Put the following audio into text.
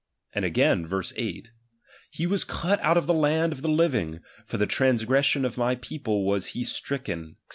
And again (verse 8) : He was cut out of the land of the liptng ; for the transgression of my people was he stricken, &c.